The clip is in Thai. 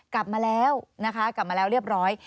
กลับมาแล้วเรียบร้อย